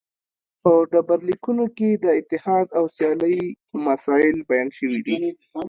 په ډبرلیکونو کې د اتحاد او سیالۍ مسایل بیان شوي دي